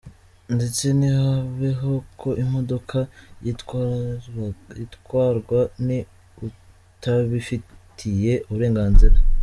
ndetse ntihabeho ko imodoka yatwarwa ni utabifitiye uburenganzira.